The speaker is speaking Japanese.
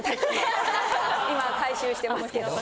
今回収してますけど。